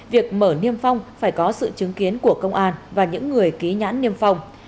việc mở niêm phong phải có sự chứng kiến của công an và những người ký nhãn niêm phong